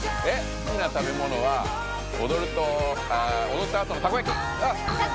好きな食べ物はおどるとあおどったあとのたこやき！